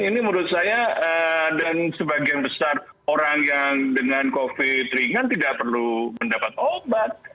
ini menurut saya dan sebagian besar orang yang dengan covid ringan tidak perlu mendapat obat